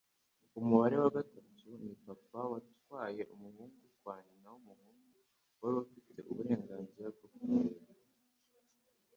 Umubare wa gatatu ni papa watwaye umuhungu kwa nyina wumuhungu wari ufite uburenganzira bwo kumurera.